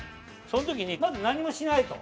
その時にまず何もしないと。